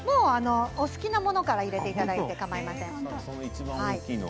お好きなものから入れていただいてかまいません。